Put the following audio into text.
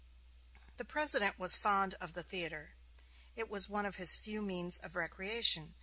The President was fond of the theater. It was one of his few means of recreation.